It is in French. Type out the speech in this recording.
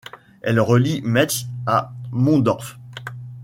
Elle relie Metz à Mondorff.